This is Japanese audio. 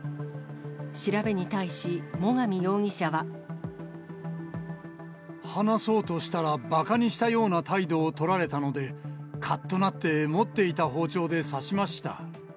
調べに対し、話そうとしたら、ばかにしたような態度を取られたので、かっとなって持っていた包丁で刺しました。